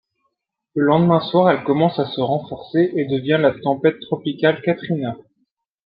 Le lendemain soir, elle commence à se renforcer, et devient la tempête tropicale Katrina.